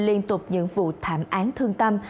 liên tục những vụ thảm án thương tâm